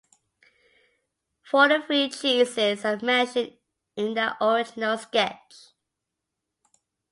Forty-three cheeses are mentioned in the original sketch.